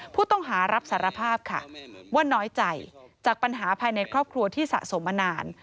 ผู้ต้องหารับสารภาพค่ะว่าน้อยใจจากปัญหาภายในครอบครัวที่สะสมมานาน